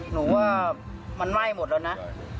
หนูว่ามันไหม้หมดแล้วนะ